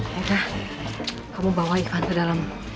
meka kamu bawa ivan ke dalam